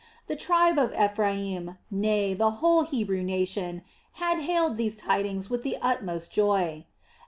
The tribe of Ephraim, nay the whole Hebrew nation had hailed these tidings with the utmost joy.